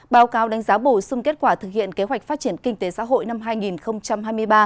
báo cáo đánh giá bổ sung kết quả thực hiện kế hoạch phát triển kinh tế xã hội năm hai nghìn hai mươi ba